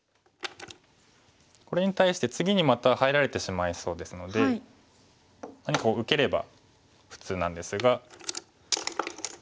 これに対して次にまた入られてしまいそうですので何か受ければ普通なんですが。